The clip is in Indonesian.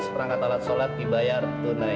perangkat alat sholat dibayar tunai